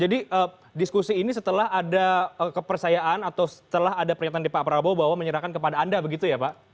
jadi diskusi ini setelah ada kepercayaan atau setelah ada pernyataan di pak prabowo bahwa menyerahkan kepada anda begitu ya pak